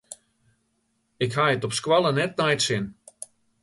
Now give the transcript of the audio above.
Ik ha it op skoalle net nei it sin.